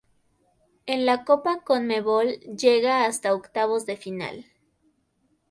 En la Copa Conmebol llega hasta octavos de final.